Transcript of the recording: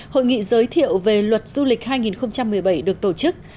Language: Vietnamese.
hội nghị giới thiệu về luật du lịch hai nghìn một mươi bảy được tổ chức